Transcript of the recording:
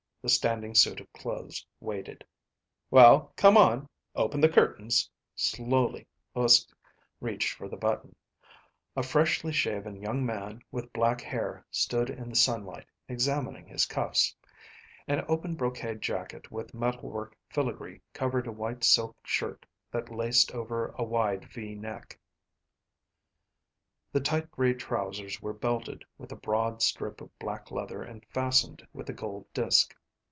The standing suit of clothes waited. "Well, come on, open the curtains." Slowly Uske reached for the button. A freshly shaven young man with black hair stood in the sunlight, examining his cuffs. An open brocade jacket with metal work filigree covered a white silk shirt that laced over a wide V neck. The tight gray trousers were belted with a broad strip of black leather and fastened with a gold disk.